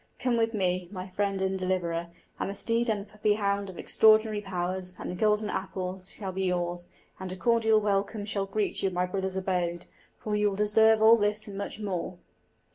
Come with me, my friend and deliverer, and the steed and the puppy hound of extraordinary powers, and the golden apples, shall be yours, and a cordial welcome shall greet you in my brother's abode; for you will deserve all this and much more."